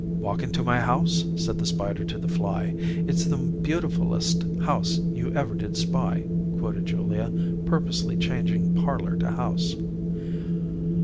"'Walk into my house,' said the spider to the fly. 'It's the beautifulest house you ever did spy,'" quoted Julia, purposely changing parlor to house.